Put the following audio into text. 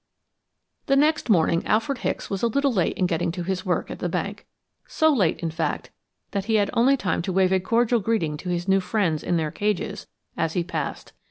The next morning Alfred Hicks was a little late in getting to his work at the bank so late, in fact, that he had only time to wave a cordial greeting to his new friends in their cages as he passed.